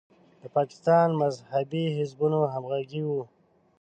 د پاکستان مذهبي حزبونه همغږي وو.